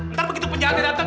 ntar begitu penjahatnya datang